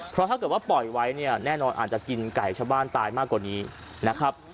เพราะถ้าเกิดว่าปล่อยไว้เนี่ยแน่นอนอาจจะกินไก่ชาวบ้านตายมากกว่านี้นะครับ